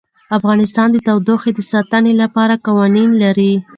افغانستان د تودوخه د ساتنې لپاره قوانین لري.